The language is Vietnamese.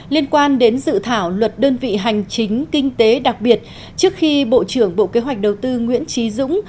liên quan đến dự thảo luật đơn vị hành chính kinh tế đặc biệt trước khi bộ trưởng bộ kế hoạch đầu tư nguyễn trí dũng